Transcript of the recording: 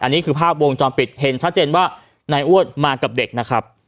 อันนี้คือภาพวงจรปิดเห็นชัดเจนว่านายอ้วนมากับเด็กนะครับ